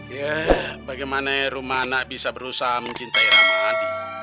ya bagaimana rumana bisa berusaha mencintai ramadhan